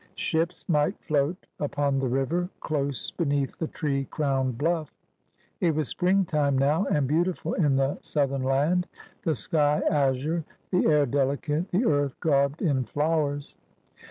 Ships might float up on the river, close beneath the tree crowned hluS. It was springtime now and beautiful in the south em land — the sky azure, the air delicate, the earth garbed in flowers.